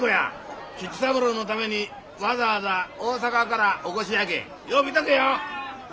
菊三郎のためにわざわざ大阪からお越しやけんよう見とけよ！